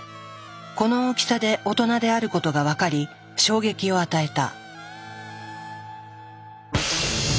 この大きさで大人であることが分かり衝撃を与えた。